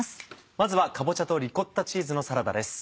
まずはかぼちゃとリコッタチーズのサラダです。